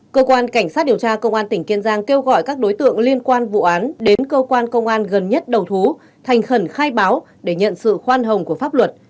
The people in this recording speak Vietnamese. cơ quan cảnh sát điều tra công an tỉnh kiên giang kêu gọi các đối tượng liên quan vụ án đến cơ quan công an gần nhất đầu thú thành khẩn khai báo để nhận sự khoan hồng của pháp luật